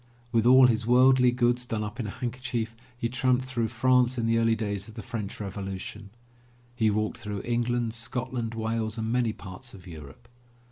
With all his worldly goods done up in a handkerchief, he tramped through France in the early days of the French Revolution; he walked through England, Scotland, Wales and many parts of Europe.